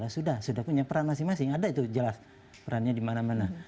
sudah sudah punya peran masing masing ada itu jelas perannya di mana mana